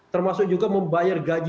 termasuk juga membayar gaji